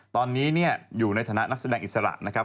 ตอนนี้อยู่ในฐานะนักแสดงอิสระนะครับ